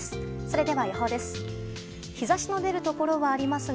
それでは予報です。